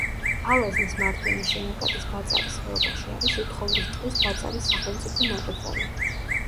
ალაზნის მარჯვენა შენაკადის ბაწარის ხეობაში არის უთხოვრის ტყის ბაწარის სახელმწიფო ნაკრძალი.